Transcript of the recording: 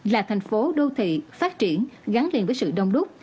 là thành phố đô thị phát triển gắn liền với sự đông đúc